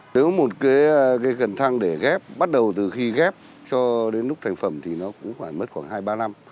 nếu một cái cần thăng để ghép bắt đầu từ khi ghép cho đến lúc thành phẩm thì nó cũng phải mất khoảng hai ba năm